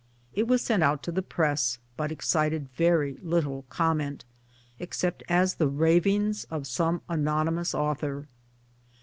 It was sent out to the Press, but excited very little comment, except as the ravings of some anonymous author.